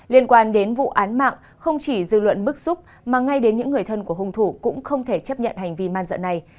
liên quan đến vụ án mạng không chỉ dư luận bức xúc mà ngay đến những người thân của hung thủ cũng không thể chấp nhận hành vi man dợ này